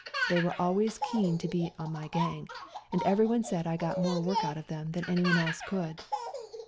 They were always keen to be on my gang, and everyone said I got more work out of them than anyone else could.